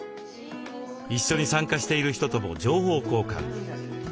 一緒に参加している人とも情報交換。